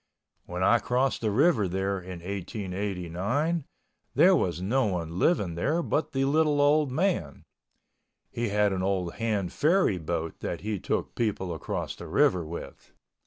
When I crossed the river there in 1889, there was no one living there but the little old man. He had an old hand ferry boat that he took people across the river with.